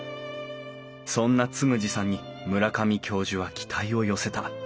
そんな嗣二さんに村上教授は期待を寄せた。